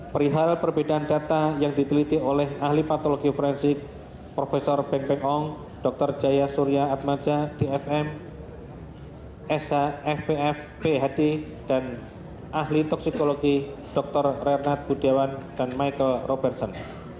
perihal perbedaan data yang diteliti oleh ahli patologi forensik prof beng beng ong dr jaya surya atmaja dfm shfpf phd dan ahli toksikologi dr renat budiawan dan michael robersen